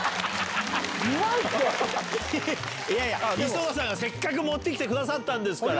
磯田さんがせっかく持ってきてくださったんですから。